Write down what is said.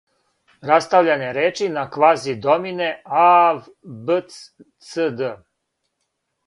растављање речи на квази домине ав бц цд.